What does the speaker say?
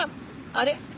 あれ？